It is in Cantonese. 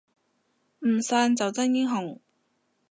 唔散就真英雄